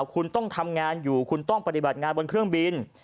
คุณต้องทำงานอยู่คุณต้องปฏิบัติงานบนเครื่องบิน